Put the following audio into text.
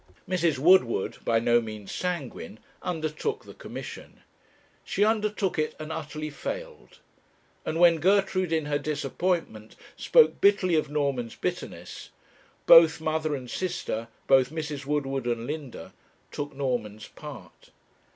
Mrs. Woodward, by no means sanguine, undertook the commission. She undertook it, and utterly failed; and when Gertrude, in her disappointment, spoke bitterly of Norman's bitterness, both mother and sister, both Mrs. Woodward and Linda, took Norman's part.